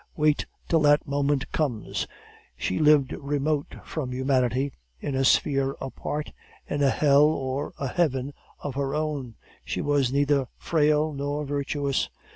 Wait till that moment comes!' She lived remote from humanity, in a sphere apart, in a hell or a heaven of her own; she was neither frail nor virtuous.